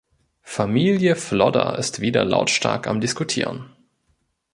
Familie Flodder ist wieder lautstark am diskutieren.